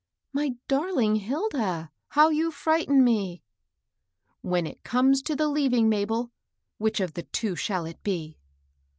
" My darhng Hilda, how 'you frigjbten me I '^" When it comes to the leaving, Mabel, which of the two shall it be